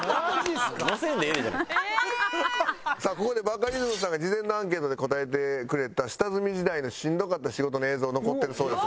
さあここでバカリズムさんが事前のアンケートで答えてくれた下積み時代のしんどかった仕事の映像残ってるそうです。